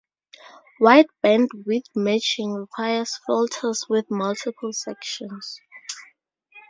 Wide bandwidth matching requires filters with multiple sections.